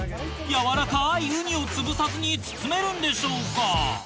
軟らかいウニをつぶさずに包めるんでしょうか？